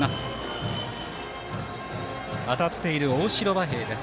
当たっている大城和平です。